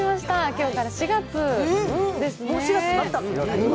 今日から４月ですね。